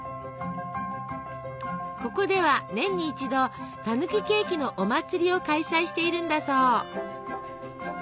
ここでは年に一度たぬきケーキのお祭りを開催しているんだそう。